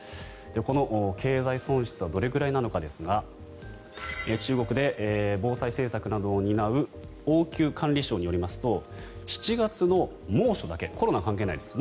この経済損失はどれくらいなのかですが中国で防災政策などを担う応急管理省によりますと７月の猛暑だけコロナ関係ないです。